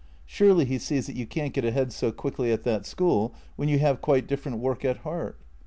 Surely he sees that you can't get ahead so quickly at that school, when you have quite different work at heart?